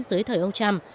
dưới thời ông trump